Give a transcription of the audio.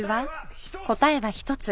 答えは１つ！